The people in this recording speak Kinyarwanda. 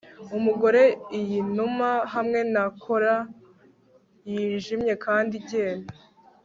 Umugore iyi numa hamwe na cola yijimye kandi igenda